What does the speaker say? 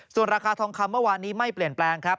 ส่วนราคาทองคำเมื่อวานนี้ไม่เปลี่ยนแปลงครับ